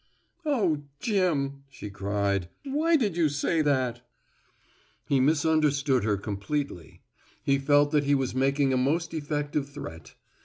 "Oh, Jim," she cried, "why did you say that?" He misunderstood her completely. He felt that he was making a most effective threat.